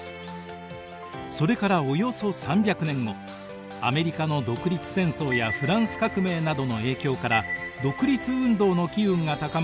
それからおよそ３００年後アメリカの独立戦争やフランス革命などの影響から独立運動の機運が高まり